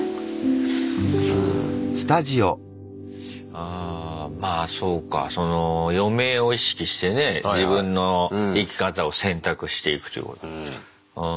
ああまあそうか余命を意識してね自分の生き方を選択していくということ。